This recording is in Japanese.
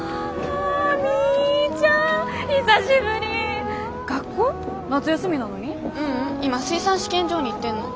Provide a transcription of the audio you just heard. ううん今水産試験場に行ってんの。